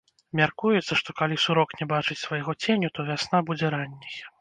Мяркуецца, што калі сурок не бачыць свайго ценю, то вясна будзе ранняй.